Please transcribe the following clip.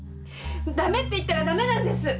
ダメっていったらダメなんです！